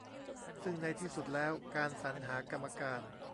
ซึ่งในที่สุดแล้ว การสรรหา กรรมการ